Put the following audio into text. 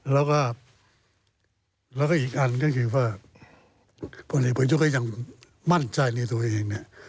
แล้วก็อีกอันก็คือว่าพวกนี้ประโยชน์ก็ยังมั่นใจในตัวเอง